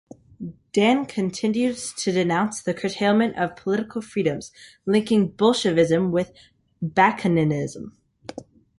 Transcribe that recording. Dan continued to denounce the curtailment of political freedoms, linking Bolshevism with Bakuninism.